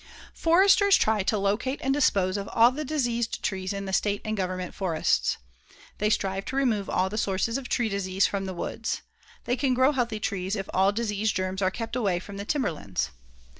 Foresters try to locate and dispose of all the diseased trees in the State and Government forests. They strive to remove all the sources of tree disease from the woods. They can grow healthy trees if all disease germs are kept away from the timberlands.